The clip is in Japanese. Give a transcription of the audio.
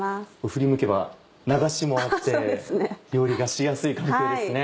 振り向けば流しもあって料理がしやすい環境ですね。